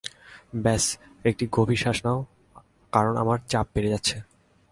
ব্যস একটা গভীর শ্বাস নাও কারণ আমার চাপ বেড়ে যাচ্ছে।